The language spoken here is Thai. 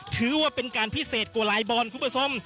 ถือว่าเป็นการพิเศษกว่าลายบอลคุณผู้ชม